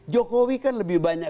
jokowi kan lebih banyak